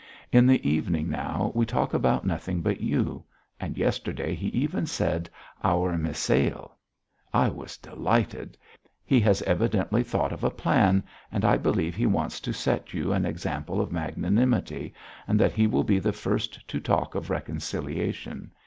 In the evening now we talk about nothing but you; and yesterday he even said, 'our Misail.' I was delighted. He has evidently thought of a plan and I believe he wants to set you an example of magnanimity, and that he will be the first to talk of reconciliation.